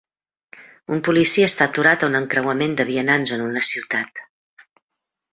Un policia està aturat a un encreuament de vianants en una ciutat.